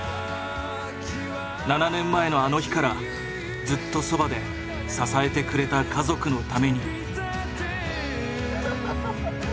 ７年前のあの日からずっとそばで支えてくれた家族のために。